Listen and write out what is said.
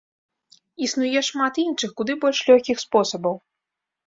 Існуе шмат іншых, куды больш лёгкіх, спосабаў.